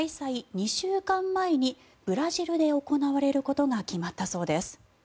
２週間前にブラジルで行われることが決まったそうです。